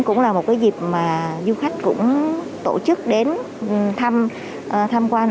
cũng là một dịp du khách tổ chức đến thăm quan